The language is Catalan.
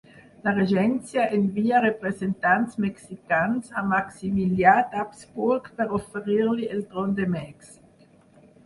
La Regència envià representants mexicans a Maximilià d'Habsburg per oferir-li el tron de Mèxic.